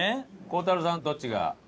孝太郎さんどっちが？